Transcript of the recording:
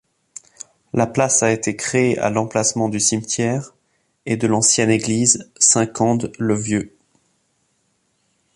La place a été créée à l'emplacement du cimetière et de l'ancienne église Saint-Cande-le-Vieux.